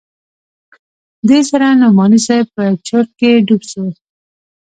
دې سره نعماني صاحب په چورت کښې ډوب سو.